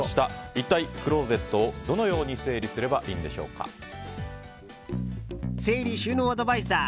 一体クローゼットをどのように整理収納アドバイザー